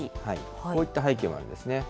こういった背景もあるんですね。